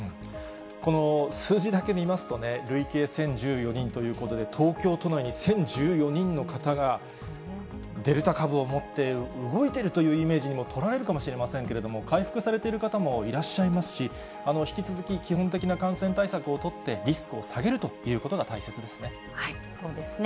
この数字だけ見ますとね、累計１０１４人ということで、東京都内に１０１４人の方がデルタ株を持って動いているというイメージにも捉えるかもしれませんけれども、回復されている方もいらっしゃいますし、引き続き、基本的な感染対策を取って、リスクを下げるということが大切ですね。